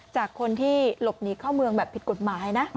จากคนที่หลบหนีเข้าเมืองแบบผิดกฎหมายนะ